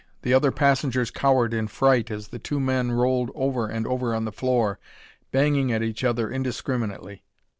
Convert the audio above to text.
The other passengers cowered in fright as the two men rolled over and over on the floor, banging at each other indiscriminately.